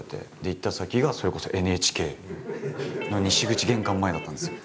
行った先がそれこそＮＨＫの西口玄関前だったんですよ。